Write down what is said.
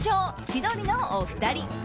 千鳥のお二人。